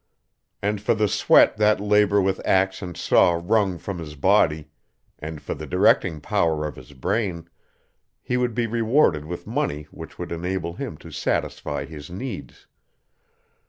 And for the sweat that labor with axe and saw wrung from his body, and for the directing power of his brain, he would be rewarded with money which would enable him to satisfy his needs.